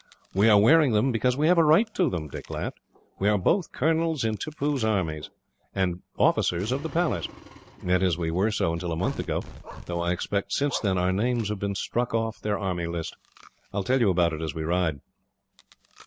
"We are wearing them because we have a right to them," Dick laughed. "We are both colonels in Tippoo's army, and officers of the Palace that is, we were so until a month ago, though I expect since then our names have been struck off their army list. I will tell you about it, as we ride."